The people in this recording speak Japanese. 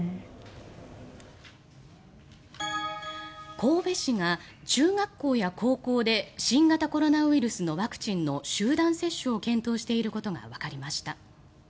神戸市が中学校や高校で新型コロナウイルスのワクチンの集団接種を検討していることがわかりました。